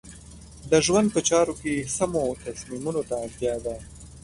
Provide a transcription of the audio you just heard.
د ژوند په چارو کې سمو تصمیمونو ته اړتیا ده.